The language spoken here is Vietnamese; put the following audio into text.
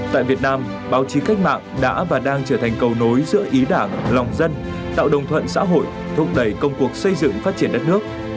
tại việt nam báo chí cách mạng đã và đang trở thành cầu nối giữa ý đảng lòng dân tạo đồng thuận xã hội thúc đẩy công cuộc xây dựng phát triển đất nước